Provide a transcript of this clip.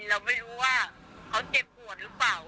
เราไม่รู้ว่าเขาเจ็บปวดหรือเปล่า